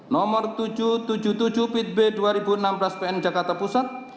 nomor tujuh ratus tujuh puluh tujuh bitb dua ribu enam belas pn jakarta pusat